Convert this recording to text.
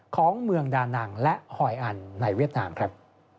ของเมืองดานังและฮอยอันในเวียดนามครับ